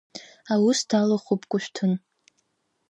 Аус далахәуп Кәышәҭын.